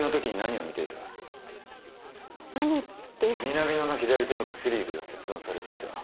南野の左手の薬指が切断されていた。